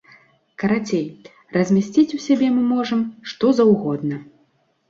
Карацей, размясціць у сябе мы можам, што заўгодна.